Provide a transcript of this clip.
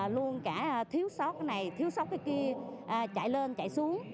luôn cả thiếu sót cái này thiếu sóc cái kia chạy lên chạy xuống